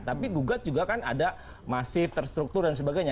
tapi gugat juga kan ada masif terstruktur dan sebagainya